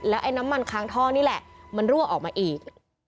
ไอ้น้ำมันค้างท่อนี่แหละมันรั่วออกมาอีก